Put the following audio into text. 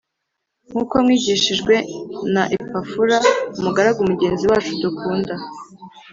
nk’uko mwigishijwe na Epafura umugaragu mugenzi wacu dukunda